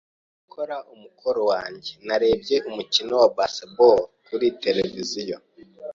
Maze gukora umukoro wanjye, narebye umukino wa baseball kuri tereviziyo.